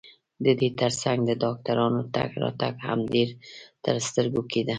د دې ترڅنګ د ډاکټرانو تګ راتګ هم ډېر ترسترګو کېده.